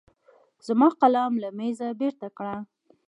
زما قلم له مېزه بېرته کړه.